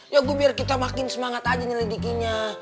ya gue biar kita makin semangat aja nih lidikinya